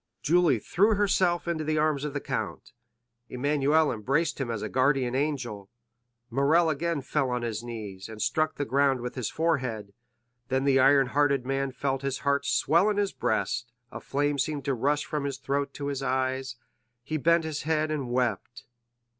Julie threw herself into the arms of the count; Emmanuel embraced him as a guardian angel; Morrel again fell on his knees, and struck the ground with his forehead. Then the iron hearted man felt his heart swell in his breast; a flame seemed to rush from his throat to his eyes, he bent his head and wept.